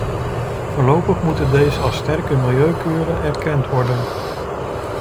Voorlopig moeten deze als sterke milieukeuren erkend worden.